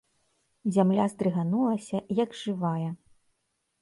Зямля здрыганулася, як жывая.